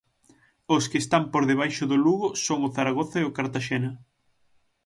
Os que están por debaixo do Lugo son o Zaragoza e o Cartaxena.